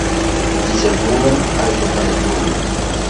Y, se mudan a Johannesburgo.